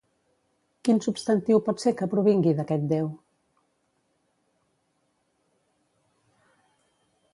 Quin substantiu pot ser que provingui d'aquest déu?